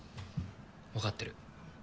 わかってる。